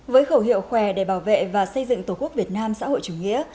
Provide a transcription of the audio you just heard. với khẩu hiệu khỏe để bảo vệ và xây dựng tổ quốc việt nam xã hội chủ nghĩa